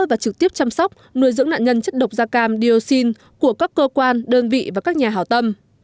và trực tiếp chăm sóc nuôi dưỡng nạn nhân chất độc gia cam diocin của các cơ quan đơn vị và các nhà hảo tâm